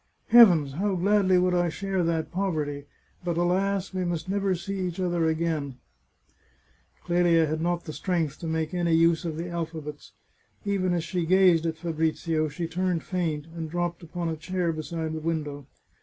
Heavens ! how gladly would I share that poverty ! But, alas, we must never see each other again !" Clelia had not the strength to make any use of the alpha 466 The Chartreuse of Parma bets. Even as she gazed at Fabrizio, she turned faint, and dropped upon a chair beside the window.